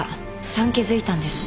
産気づいたんです。